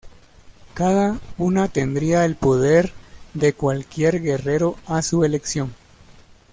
Cada una tendría el poder de cualquier guerrero a su elección.